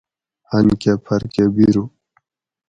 ہنکہ پھرکہ بِیرو